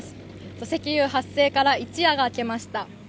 土石流発生から一夜が明けました。